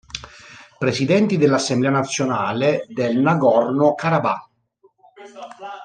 Presidenti dell'Assemblea nazionale del Nagorno Karabakh